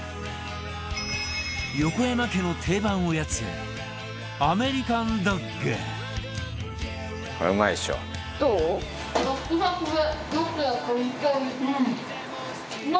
横山家の定番おやつアメリカンドッグどう？